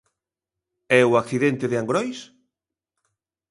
¿E o accidente de Angrois?